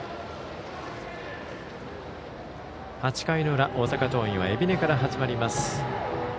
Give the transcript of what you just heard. ８回の裏、大阪桐蔭は海老根から始まります。